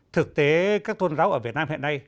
thực tế các tôn giáo ở việt nam hiện nay